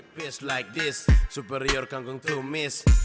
peace like this superior kangkung tumis